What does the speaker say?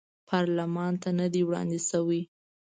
پارلمان ته نه دي وړاندې شوي.